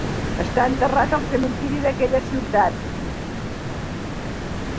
Està enterrat al cementiri d'aquella ciutat.